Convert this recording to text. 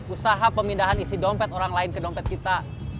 usaha pemindahan isi dompet orang lain ke dompet kita